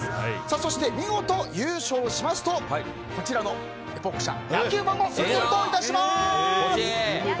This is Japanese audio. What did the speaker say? そして見事優勝しますとこちらのエポック社、野球盤をプレゼントいたします！